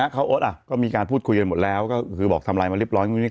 ข้าวโอดก็มีการพูดคุยเย็นหมดแล้วบอกทามไลน์มาเรียบร้อย